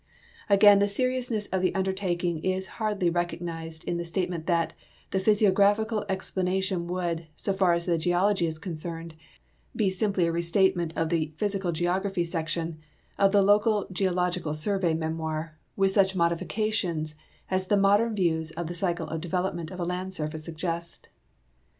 Again, the seriousness of the undertaking is hardly recognized in the statement that "the physiographical explanation would, so far as the geology is concerned, be simply a restatement of the ' physical geography ' section of the [local] geological survey memoir, with such modifications as the modern views of the cycle of development of a land surface suggest."